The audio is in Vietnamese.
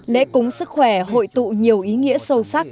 lễ cúng sức khỏe hội tụ nhiều ý nghĩa sâu sắc